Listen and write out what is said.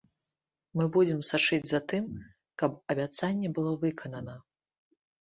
Мы будзем сачыць за тым, каб абяцанне было выканана.